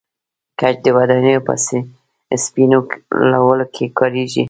ګچ د ودانیو په سپینولو کې کاریږي.